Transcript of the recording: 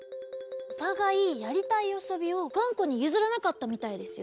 おたがいやりたいあそびをがんこにゆずらなかったみたいですよ。